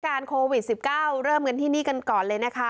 การโควิด๑๙เริ่มกันที่นี่กันก่อนเลยนะคะ